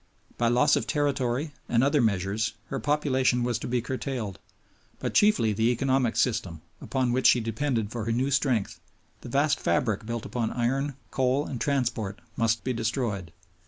By loss of territory and other measures her population was to be curtailed; but chiefly the economic system, upon which she depended for her new strength, the vast fabric built upon iron, coal, and transport must be destroyed.